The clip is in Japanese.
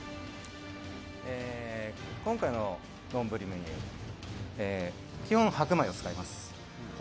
今回の丼は基本白米を使います。